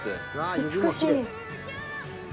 美しい。